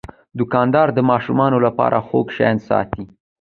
دوکاندار د ماشومانو لپاره خوږ شیان ساتي.